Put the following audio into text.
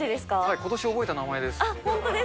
ことし、覚えた名前です。